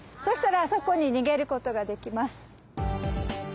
そしたらそこに逃げる事ができます。